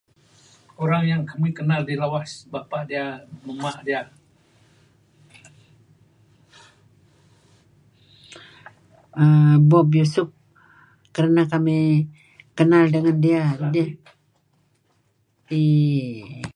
Orang yang kami kenal ngih Lawas, bapa' dia, mak dia. Aaa... Bob Yusup kerna kami kanal dengan dia. Di...